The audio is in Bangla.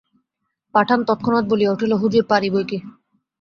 পাঠান তৎক্ষণাৎ বলিয়া উঠিল, হুজুর, পারি বইকি।